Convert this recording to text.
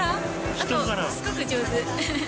あと、すごく上手。